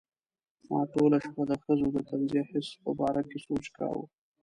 ما ټوله شپه د ښځو د طنزیه حس په باره کې سوچ کاوه.